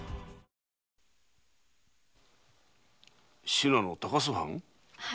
信濃高須藩？